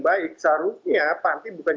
baik seharusnya pantik bukan